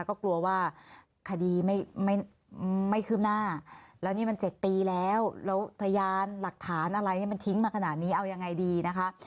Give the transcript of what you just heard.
ก็กลัวว่าคดีไม่คืบหน้าแล้วนี่มัน๗ปีแล้วแล้วพยานหลักฐานอะไรเนี่ยมันทิ้งมาขนาดนี้เอายังไงดีนะคะ